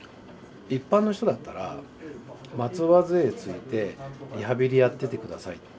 一般の人だったら松葉づえついてリハビリやってて下さいって。